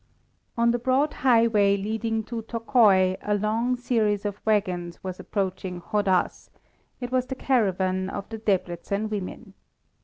On the broad highway leading to Tokai a long series of waggons was approaching Hadház; it was the caravan of the Debreczen women.